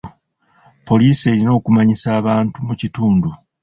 Poliisi erina okumanyisa abantu mu kitundu.